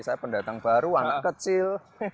saya pendatang baru anak kecil